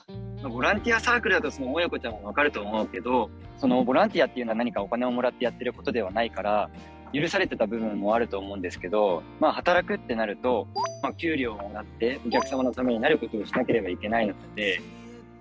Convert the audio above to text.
ボランティアサークルだと萌子ちゃんも分かると思うけどボランティアっていうのは何かお金をもらってやってることではないから許されてた部分もあると思うんですけど働くってなると給料をもらってお客様のためになることをしなければいけないので。